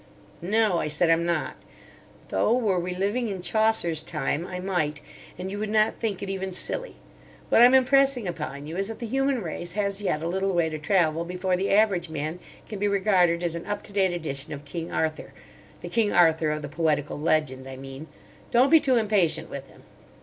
"No," I said, "I'm not. Though were we living in Chaucer's time I might; and you would not think it even silly. What I'm impressing upon you is that the human race has yet a little way to travel before the average man can be regarded as an up to date edition of King Arthur—the King Arthur of the poetical legend, I mean. Don't be too impatient with him."